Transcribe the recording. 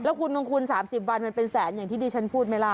คุณของคุณ๓๐วันมันเป็นแสนอย่างที่ดิฉันพูดไหมล่ะ